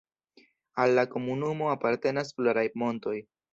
Al la komunumo apartenas pluraj montoj.